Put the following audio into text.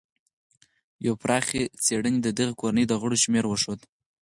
یوې پراخې څېړنې د دغې کورنۍ د غړو شمېر وښود.